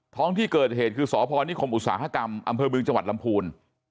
ท้องที่เกิดเหตุคือสพนิคมอุตสาหกรรมอำเภอเมืองจังหวัดลำพูน